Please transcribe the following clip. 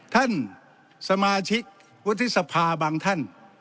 ท่านสมาชิกวุฒิสภาบางท่าน